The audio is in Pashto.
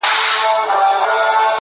په ياد کي ساته د حساب او د کتاب وخت ته.